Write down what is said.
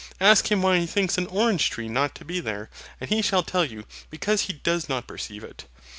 Ask him why he thinks an orange tree not to be there, and he shall tell you, because he does not perceive it.